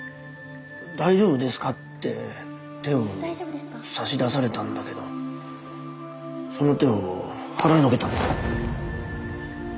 大丈夫ですかって手を差し出されたんだけどその手を払いのけたんだ。